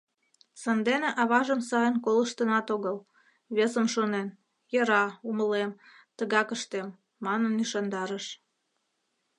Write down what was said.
Сандене аважым сайын колыштынат огыл, весым шонен «йӧра, умылем, тыгак ыштем» манын, ӱшандарыш.